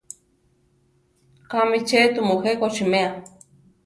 Kámi tze tumu kochímea?